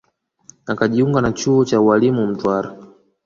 Akajiunga na chuo cha ualimu Mtwara